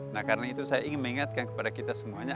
nah karena itu saya ingin mengingatkan kepada kita semuanya